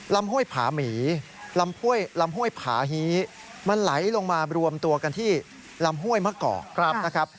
ห้วยผาหมีลำห้วยผาฮีมันไหลลงมารวมตัวกันที่ลำห้วยมะกอกนะครับ